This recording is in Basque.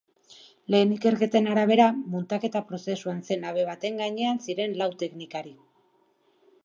Lehen ikerketen arabera, muntaketa prozesuan zen habe baten gainean ziren lau teknikari.